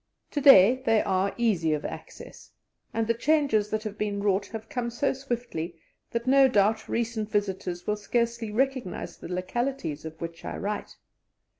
To day they are easy of access, and the changes that have been wrought have come so swiftly that, no doubt, recent visitors will scarcely recognize the localities of which I write.